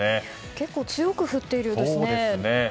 結構強く降っているようですね。